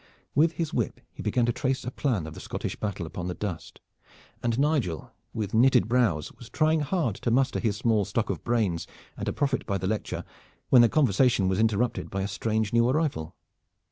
With his whip he began to trace a plan of the Scottish battle upon the dust, and Nigel with knitted brows was trying hard to muster his small stock of brains and to profit by the lecture, when their conversation was interrupted by a strange new arrival.